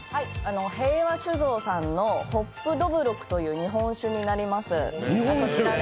平和酒造さんのホップどぶろくという日本酒になります。